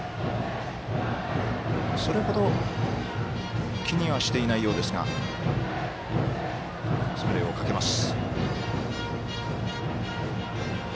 それほど、気にはしていない様子ですがスプレーをかけます。